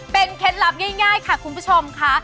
เป็นเคล็ดลับง่ายค่ะคุณผู้ชมค่ะ